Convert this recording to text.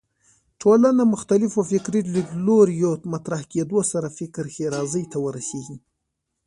ټولنه مختلفو فکري لیدلوریو مطرح کېدو سره فکر ښېرازۍ ته ورسېږي